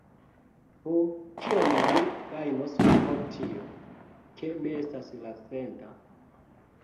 "Ho, kion mi gajnos pro tio, ke mi estas la centa?"